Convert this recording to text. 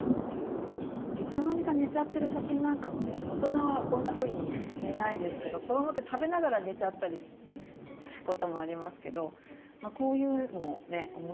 いつの間にか寝ちゃってる写真なんかもね大人はこんなふうに寝ないですけど子どもって食べながら寝ちゃったりすることもありますけどこういうのもね面白い。